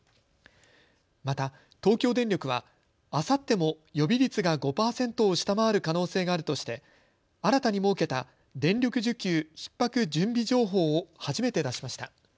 また東京電力はあさっても予備率が５％を下回る可能性があるとして新たに設けた電力需給ひっ迫準備情報を初めて出しました。